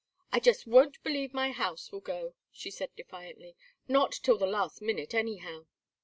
"I just won't believe my house will go," she said, defiantly; "not till the last minute, anyhow.